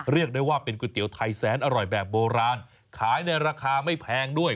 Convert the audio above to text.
เรียกได้ว่าเป็นก๋วยเตี๋ยวไทยแสนอร่อยแบบโบราณขายในราคาไม่แพงด้วย